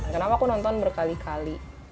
kenapa aku nonton berkali kali